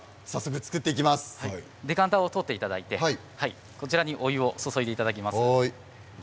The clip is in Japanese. デカンタを取っていただいてお湯を注いでいただきます。